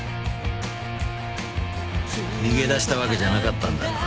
逃げ出したわけじゃなかったんだな。